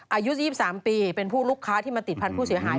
อายุ๒๓ปีเป็นผู้ลูกค้าที่มาติดพันธุ์เสียหาย